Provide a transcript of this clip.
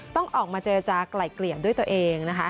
ต้องออกมาเจอจากไกล่เกลี่ยนด้วยตัวเอง